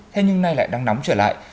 thế nhưng nay lại đang nóng trở lại